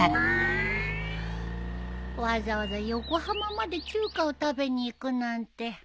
わざわざ横浜まで中華を食べに行くなんて。